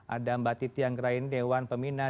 ada mbak titi anggrain dewan pemina